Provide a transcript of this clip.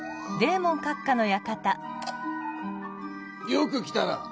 よく来たな！